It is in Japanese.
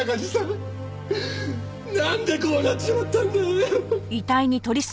なんでこうなっちまったんだよ！